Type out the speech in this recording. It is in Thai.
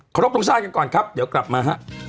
เคารพลงสร้างกันก่อนครับเดี๋ยวกลับมา